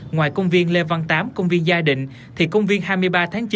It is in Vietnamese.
ngoài công viên lê văn tám công viên gia định thì công viên hai mươi ba tháng chín